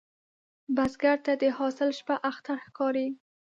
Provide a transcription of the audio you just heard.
بزګر ته د حاصل شپه اختر ښکاري